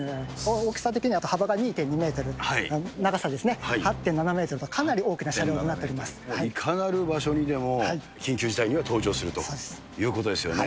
大きさ的には、幅が２．２メートル、長さですね、８．７メートルと、かなり大きないかなる場所にでも、緊急事態には登場するということですよね。